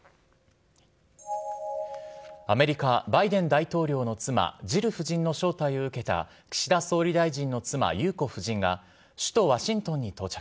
アメリカ、バイデン大統領の妻、ジル夫人の招待を受けた岸田総理大臣の妻、裕子夫人が首都ワシントンに到着。